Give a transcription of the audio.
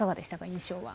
印象は。